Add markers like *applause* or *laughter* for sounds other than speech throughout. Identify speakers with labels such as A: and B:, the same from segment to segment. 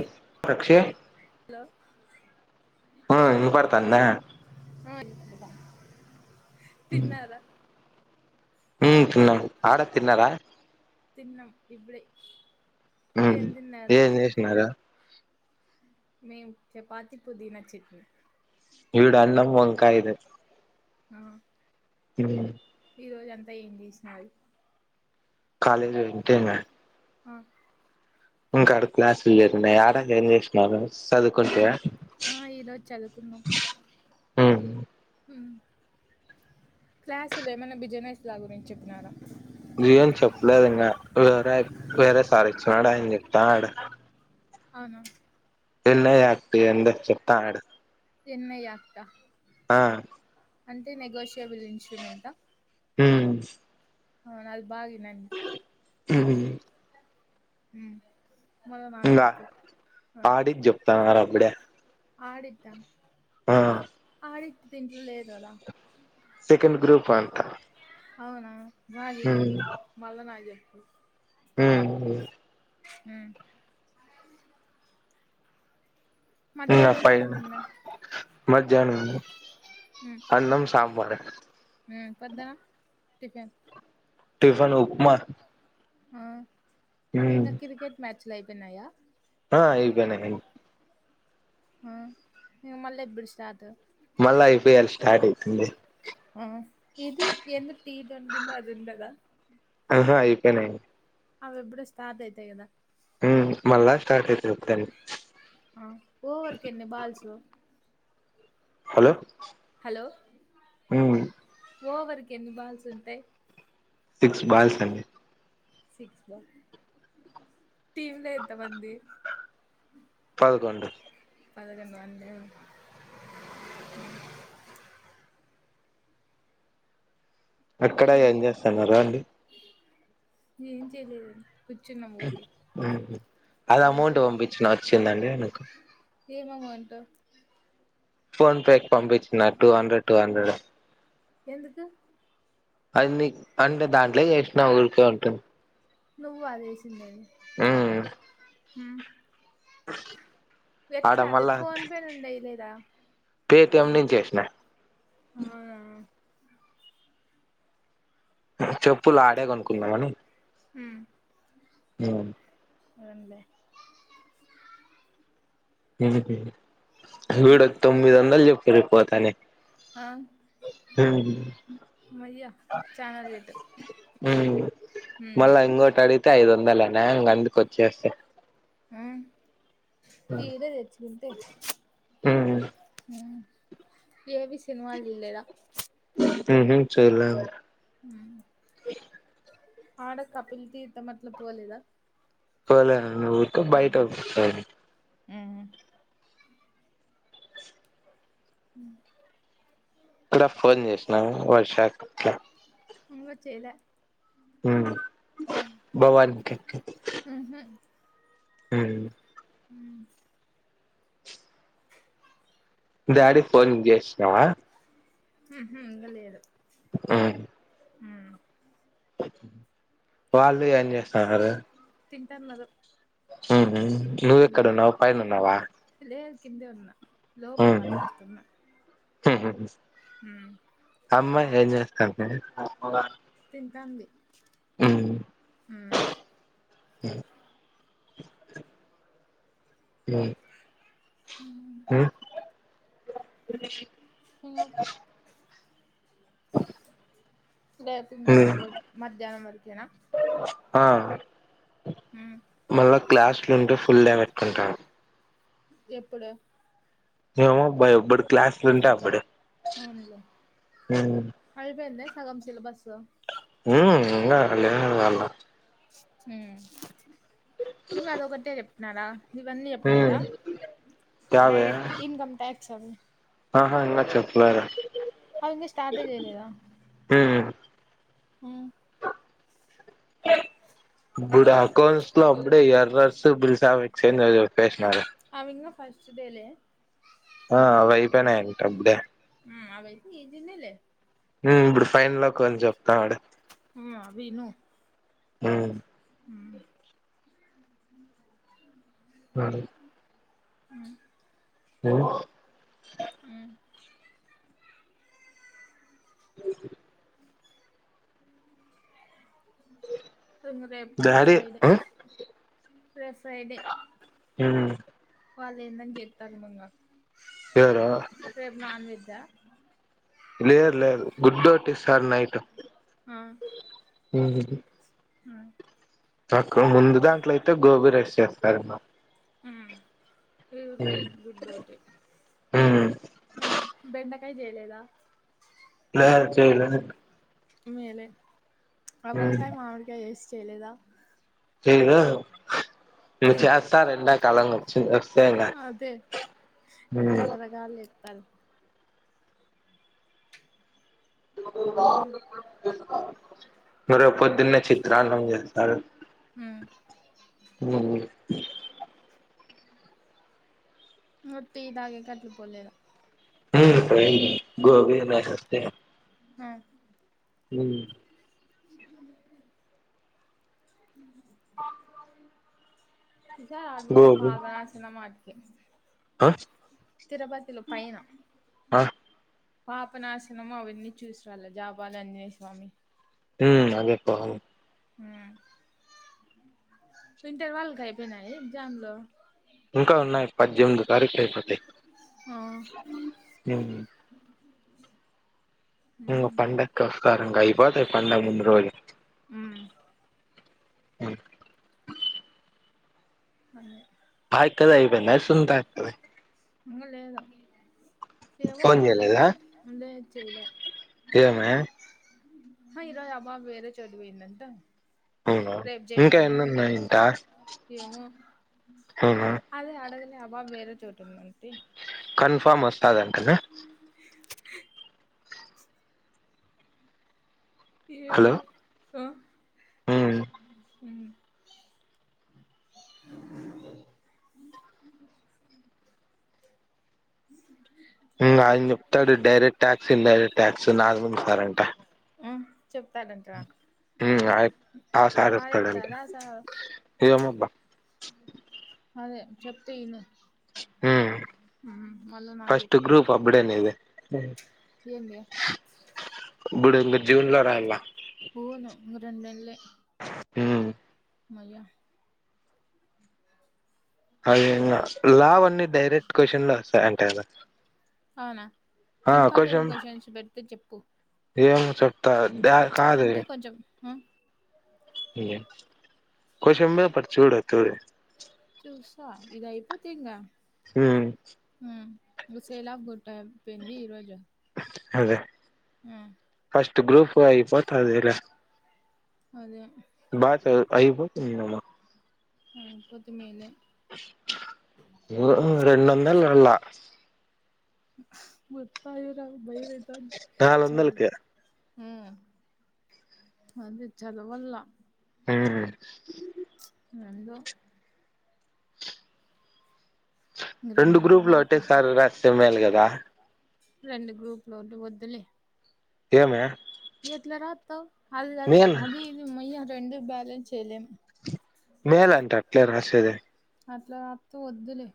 A: అ ప్రక్షే
B: హలో
A: ఆ వినపడుతందా
B: తిన్నరా
A: ఉ తిన్నా అండి ఆడా తిన్నార
B: తిన్నాం ఇబ్బుడె
A: ఊహు ఏం జేసినారు
B: మేమ్ చపాతి పుదీనా చట్నీ
A: ఈడ అన్నం వంకాయ ఎదొ
B: ఆ
A: ఉ
B: ఈ రోజు అంతా ఏం జేసినారు
A: కాలేజ్ పోయింటి ఇంగ
B: ఆ
A: ఇంక అడు క్లాస్ లు లేకుండా యాడ ఎం చేసినావ్ నువ్వు సదువుకుంటె
B: ఆ ఈరోజు చదువుకున్నాం
A: ఊ
B: ఉమ్ క్లాసులు ఏమైనా బిజినేస్లా గురించి చెప్పినారా
A: ఏం చెప్పలేదు ఇంగా వేరే ఆయప్ వేరే సార్ వచ్చినాడు ఆయన చెప్తాన్నడు
B: అవును
A: *unintelligible* ఎందో చెప్తాన్నడు
B: చిన్మయి ఆర్ట
A: ఆ
B: అంటే నెగోషియబుల్ ఇన్షుమెంటా
A: ఊమ్
B: అవునా అది బాగ నన్
A: ఉహూ
B: ఉ మళ్ల వోమాట జొప్పు ఆ
A: తాన్నరు అబ్బడే
B: ఆడిట్టా
A: ఆ
B: ఆడిట్ దీంట్లో లేదు గదా
A: సెకెండ్ గ్రూప్ అంటా
B: అవునా డ్రా జేయనంది మళ్ళ నాగిజొ *unintelligible*
A: ఉమ్
B: ఉ
A: ఉ
B: మధ్యాహ్నం ఏం
A: ఆపైన
B: తిన్నా
A: మధ్యాన మా
B: ఉమ్
A: అన్నం సాంబర్
B: పద్దన టిఫన్
A: టిఫను ఉప్మా
B: ఆ
A: మ్మ్
B: ఇంగ క్రికెట్ మ్యాచ్ లు అయి పెనాయా
A: ఆ ఇవిగానే
B: ఆ ఇక మళ్ళీ ఎప్పుడు స్టార్ట్
A: మళ్ళా ఐపీఎల్ స్టార్ట్ అయితుంది.
B: ఆ ఇది ఎందకు టీ ట్వంటీ అదింటదా.
A: అహా అయిపొయినాయి.
B: అవి ఎప్పుడు స్టార్ట్ అయితాయి కదా.
A: ఉమ్ మళ్ళ స్టార్ట్ అయి
B: అ ఓవర్ కి ఎన్ని బాల్స్
A: హలో
B: హలో
A: ఉమ్
B: ఓవర్కి ఎన్ని బాల్స్ ఉంటాయ్.
A: సిక్స్ బాల్స్ అండి.
B: సిక్స్ ల టీమ్ లో ఎంత మంది
A: పదకొండు
B: పదకొండు మందా ఇంకా
A: అక్కడ ఏం
B: ఇంకే
A: చేస్తున్నార అండి
B: ఏం చేయలేదు. కూర్చున్నాం ఊరికే
A: ఉ అది
B: వాళ్ళతో
A: అమౌంట్ పంపించిన వచ్చిందండి మీ కు
B: ఏమ్ ఎమౌంటు
A: ఫోన్ పే కి పంపించిన టూ హండ్రెడ్, టూ హండ్రెడ్
B: ఎందుకు?
A: అన్ని అంటే దాంట్లో వేసినా ఊరికే ఉంటుంది.
B: నువ్వ ఆదిఎసిండేది
A: ఉమ్
B: హమ్
A: ఆడ
B: ఎట్లా అది ఫోన్ పే నుండి ఎయలేదా?
A: పేటిఎమ్ నుంచి వేసిన
B: అవున
A: చెప్ ప్పులాడేగా కొనుకుందామని.
B: హుమ్
A: హ
B: పోన్లే *unintelligible*
A: కేజీ పిండి వీడ
B: ఇంకా
A: తొమ్మిది వందలు చెప్ ఇవి పోతానే
B: ఆ
A: ఉ
B: మయ్యా చానా రేటు
A: ఉ
B: హ్మ్
A: మళ ఇంగోట అడి ఇంకా ఐదు వందాలేనే అం అందుకు వచ్చేసి
B: ఆ ఈడ చచ్చ వింతే
A: హ
B: అ ఏమి సినిమాల్ చూళ్ళేదా
A: ఉహు చూళ్ళే
B: ఉ ఆడ కపిల్ తీర్థం మట్ల పోలేదా
A: పోలేేదు ఊతో బయట
B: హ్మ్
A: కూసున్
B: అ
A: ఇక్కడ ఫోన్ చేసినా వషాఖ
B: ఒంగ చే
A: ఉ బవరికే
B: ఊహూ
A: ఉ
B: హు
A: డాడీకి ఫోన్ చేసినవా
B: హు హు ఇంగ లేదు
A: ఆ
B: హు ఉ
A: వాళ్ళు ఏం చేస్తన్నారు
B: తింటాన్నరు
A: హ అ నువ్వెక్కడ ఉన్నావు పైన ఉన్నావా
B: లేదు కిందే ఉన్నా లోపల మాట్లాడుతున్నా
A: హ్ ఉ
B: ఉమ్
A: అమ్మ ఏంజె అంతే
B: ఉంటాంది ఉ
A: ఈ హ్మ్మ్
B: ఉమ్మ్
A: ఉమ్మ్
B: సింగం లే తిందాం మళ్లా మధ్యాహ్నం వరకేనా
A: ఆ
B: ఉమ్
A: మళ్ళా క్లాసులు ఉంటే ఫుల్ డే పెట్టుకుంటాం
B: ఎప్పుడు
A: ఏమో బ ఎప్పుడూ క్లాస్ ఉంటే అప్పుడే
B: అవునులే అయిపోయిందా సగం సిలబస్సు
A: ఉమ్మ్ ఇంకా కాల
B: ఉ ఇంగ్ అదే ఒకటే చొప్ నాల ఇవన్నీ
A: ఉమ్
B: చెప్పలేదా
A: యావే
B: డైరెక్ట్ ఇన్కమ్ ట్యాక్స్ *unintelligible*
A: ఆహా ఇంకా చెప్పలేదు
B: అవన్నీ ఇంకా స్టార్ట్ చేయలేదా
A: ఉమ్
B: ఉ
A: ఇప్పుడు అకౌంట్స్ లో అప్పుడే ఎర్రర్స్ బిల్స్ వి ఏం గాదు చెప్పేసినారు
B: అవి ఇంకా ఫస్ట్ డేలే
A: ఆ ఆవైపనైయి అప్పుడే
B: ఉ ఆవైతే ఈజీనేలే
A: ఉ ఇప్పుడు ఫైన్ లో కొన్ని చెప్తానడు
B: అవిను
A: ఉ *inaudible*
B: ఉ
A: ఉ
B: ఉ రేపు
A: డాడీ
B: ఫ్రైడే
A: ఉమ్
B: రే ఫ్రైడే
A: ఉమ్
B: వాళ్ళు ఏందని చెప్తా మంగా
A: ఎవరు
B: రేప్ నాన్ వెజ్ ఆ
A: ఇ లేర్ లేదు గుడ్ ఒకటి ఇస్తారు నైట్ ఉ
B: ఉ
A: నాకు ముందు దాంట్లో అయితే గోబీ రైస్ చేస్తారు
B: ఉ ఊరికే గుడ్డు ఒకటి
A: లేదు
B: ఉ బెండ కై చేయలేదా
A: ఆ చేయలే
B: మేలే అ వంకాయ మామిడికాయ చేస్ చేలేదా
A: చేయలేదు ఈ చేస్తారు ఎండాకాలం వచ్చింది వస్తే ఇంగ
B: అదే
A: ఉ
B: పల్
A: బర పొద్దున్నే చిత్రాన్నం చేస్తారు హు హు
B: నువ్వు టీ తాగేకి అట్లా పోలేదా
A: హు హు గో అవే *unintelligible*
B: ఆ
A: హుమ్
B: ఉ విసార్ ఆ బలే
A: గోబీ
B: పాపనా చిన్నమాక
A: ఆ
B: తిరపతిలో పైన
A: ఆ
B: పాపనాశనం అవన్నీ చూసిరాల జాబాల అంజనే స్వామి
A: ఉ అదేపో
B: హు ఇంటర్ వాళ్లకి అయిపోయినయా ఎగ్జాములు
A: ఇంకా ఉన్నాయి పద్దెనిమిది కరెక్ట్ అయిపోతాయి
B: ఆ
A: హుమ్ ఇ పంటకు వస్తారం కై బత పంట మూందు రోజు
B: మ్మ్
A: హు
B: అ
A: *unintelligible*
B: ఇంకా లేదుా ఏమో
A: ఫోన్ చేయలేదా
B: ఈరోజే ముందే చేయాలే
A: ఏమే
B: హా ఈరోజు రమ వేరే చదివిందట
A: అవునా
B: రేబ్ జై
A: ఇంకా
B: మన
A: ఎన్ని
B: రే
A: ఉన్నాయి ఇంకా
B: ఏమో
A: అవునా
B: అదే అడగల అబా వే చోట ఉంట
A: కన్ఫర్మ్ సాధ అంటంటలు
B: *unintelligible* ఏవో హో
A: హ్మ్
B: ఉమ్ *inaudible*
A: ఆయన చెప్తాడు డైరెక్ట్ ట్యాక్స్ ఇల్ డైరెక్ట్ ట్యాక్స్ నాగ ముంది సారంట
B: చెప్తారంటార
A: ఆ సార్
B: బాగా
A: చెప్తాడంట
B: చెప్తారా స
A: ఏమోబ్బా
B: అదే చెప్తే విను
A: హు
B: నాకు
A: ఫస్ట్ గ్రూప్ అప్పుడు ఉన్నేదే *unintelligible*
B: ఏందే
A: బుడగ జీవున్లో రాయల్లా
B: హు రెండునెల్లే
A: హు
B: హమ్మయ్యా
A: అదే ఇంగ లావణ్య అన్ని డైరెక్ట్ క్వశ్చన్ లే ఏ త అంటే కదా
B: అవునా
A: ఆ
B: ఇంపార్టెంట్
A: క్వశ్చన్
B: క్వశ్చన్స్ పెడితే చెప్పు
A: ఏమో చెప్తా ద కాదే
B: అంటే కొంచెం ఆ
A: ఇగ క్వశ్చన్ పేపర్ చూడు ఓ తురి
B: చూసా ఇది అయిపోతే ఇంగ
A: హు
B: హు సేలాబ్ గుట్ట అయిపోయింది ఈరోజు
A: అదే
B: ఆ
A: స్ట్ గ్రూప్ అయిపోతది ఎలా
B: అదే
A: బాగా చదువు అయిపోతుంది ఏమో
B: అయిపోతేమేలే
A: రెండ వందాలు అలా
B: వత్తాయో రావో భయం ఆ *unintelligible* చదువు
A: నాలొందలకి
B: హు అది చదవల్లా
A: హు
B: ఏందో ఇంగ
A: రెండు
B: నెలలు
A: గ్రూపులు
B: బాగా
A: ఒకటే సారీ రాస్తే మేలు కదా గా
B: రెండు గ్రూపులు వద్దు వద్దులే
A: ఏమి
B: ఎట్లా రాత్తవ్ అది కాదు అది ఇది అమ్మాయ రెండు బ్యాలెన్స్ చేయలేం
A: మేల్ అంట అట్లే రాసేది
B: అట్లా రాస్తే వద్దులే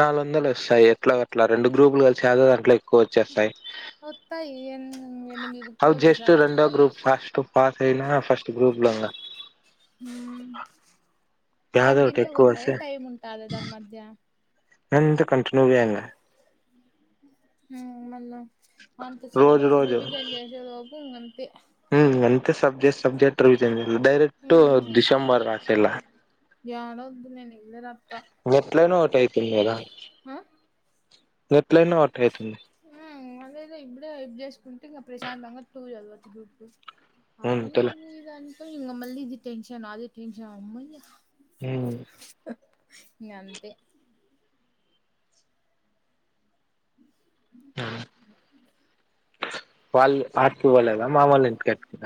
A: నాలుగు వందలు వస్తాయి ఎట్లో గాట్లా రెండు గ్రూపులు కలిసి యదో దాంట్లో ఎక్కువ వచ్చేస్తాయి
B: ఒత్తాయి ఎనిమి ఎనిమిది బుక్కులు
A: అవి జస్ట్
B: ఒకేసారే
A: రెండో గ్రూప్ ఫస్ట్ పాస్ అయినా ఫస్ట్ గ్రూప్ లో ఉన్న.
B: హ్మ్
A: యాదో ఒకటి
B: కంటిన్యూ
A: ఎక్కువ
B: ఉంటయా, టైమ్ ఉంటాదా దాని మధ్య?
A: అంతా కంటిన్యూగే అమ్మ
B: మ్మ్ మళ్ళ మంత్
A: రోజు
B: సిలబస్
A: రోజు
B: రివిజన్ చేసేలోపు ఉఁ అంతే
A: మ్మ్ అంతే subject subject revision direct December రాసెయ్యాలా.
B: యాడొద్దు నేను ఇప్పుడే రాత్తా
A: ఎట్లనో ఐపోయింది గదా
B: ఆ
A: *unintelligible* ఎట్లైన ఒటే అయితుంది.
B: అదదే ఇప్పుడే ఐప్ జేసుకుంటే ఇంగ ప్రశాంతంగా టూ చదవచ్చు గ్రూప్ టూ. అదీ
A: అంతేలే
B: ఇదన్ ఇంగ మళ్ళీ ఇది టెన్షన్ అది టెన్షన్ అమ్మయ్య
A: మ్మ్
B: ఇంగంతే
A: మ్మ్ వాళ్ళ్ ఆట్కి పోలేదా మామోళ్ళింటికాటికి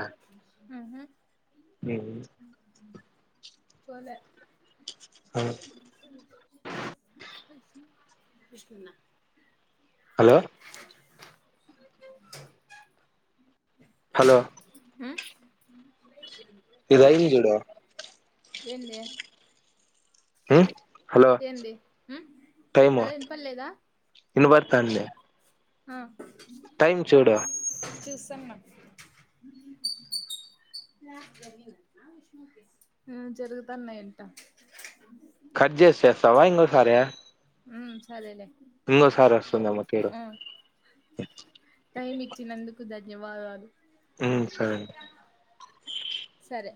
B: మ్మ్ హు
A: మెమ్మ్
B: పోలే
A: అ
B: విష్ణున్న
A: హలో హలో
B: మ్
A: ఇది ఐంది జూడు
B: ఏంది
A: హలో
B: ఏంది ఉమ్
A: టైము
B: హలో ఇనపడలేదా
A: ఇనపడుతాంది
B: ఆ
A: టైం చూడు
B: చూస్తున్న మ్ జరుగుతన్నయంట.
A: కట్ చేసేస్తావా ఇంగోసారే
B: ఉఁ సరే లే.
A: ఇంగోసారి వస్తుందా *unintelligible*
B: కు ధన్యవాదాలు.
A: హ్మ్ సరే.
B: సరే